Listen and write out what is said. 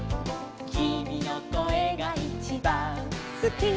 「きみのこえがいちばんすき」